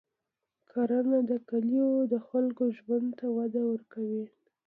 کرنه د کلیو د خلکو ژوند ته وده ورکوي.